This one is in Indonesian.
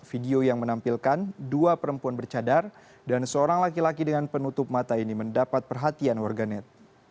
video yang menampilkan dua perempuan bercadar dan seorang laki laki dengan penutup mata ini mendapat perhatian warganet